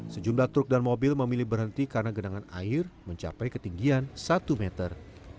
sejumlah truk dan mobil memilih berhenti karena genangan air mencapai ketinggian satu meter